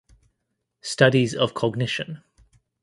Studies of cognition.